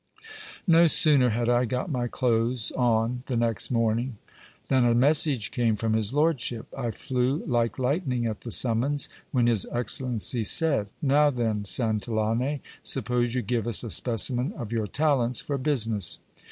No sooner had I got my clothes on the next morning, than a message came from his lordship. I flew like lightning at the summons, when his excellency said : Now then, Santillane, suppose you give us a specimen of your talents fcr business.